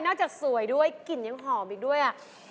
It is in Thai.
จากสวยด้วยกลิ่นยังหอมอีกด้วย